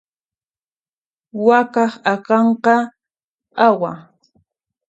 Wakaq akanqa q'awa.